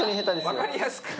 わかりやすく。